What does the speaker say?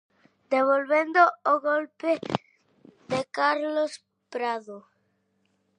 "Devolvendo o Golpe", de Carlos Prado.